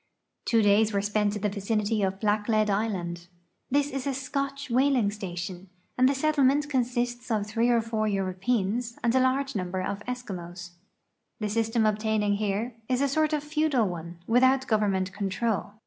'I'wo days were spent in the vicinity of F>hicklea(l island. This is a Scotch whal ing station, and the settlement consists of three or four Euro|»eans and a large numher of P^skimos. The system ohtaining here is a sort of feudal one, without government control.